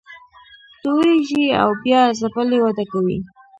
توییږي او بیا ځپلې وده کوي